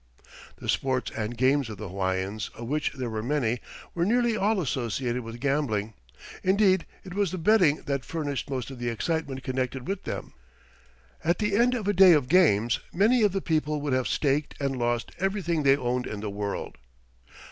The sports and games of the Hawaiians, of which there were many, were nearly all associated with gambling. Indeed, it was the betting that furnished most of the excitement connected with them. At the end of a day of games, many of the people would have staked and lost everything they owned in the world.